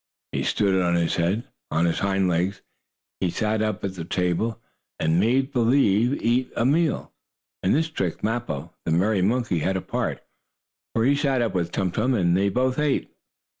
He stood on his head, and on his hind legs. He sat up at the table, and made believe eat a meal. In this trick Mappo, the merry monkey, had a part, for he sat up with Tum Tum, and they both ate.